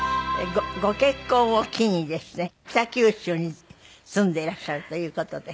ご結婚を機にですね北九州に住んでいらっしゃるという事で。